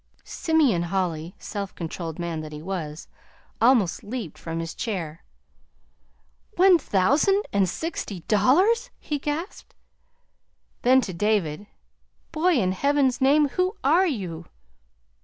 Simeon Holly, self controlled man that he was, almost leaped from his chair. "One thousand and sixty dollars!" he gasped. Then, to David: "Boy, in Heaven's name, who are you?"